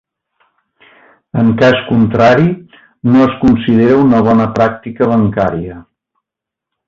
En cas contrari, no es considera una bona pràctica bancària.